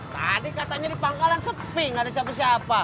tadi katanya di pangkalan sepi nggak ada siapa siapa